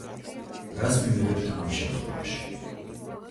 რას მივიღებთ ამ შემთხვევაში?